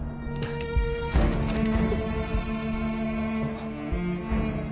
あっ？